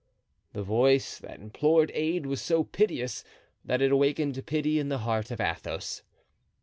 The voice that implored aid was so piteous that it awakened pity in the heart of Athos.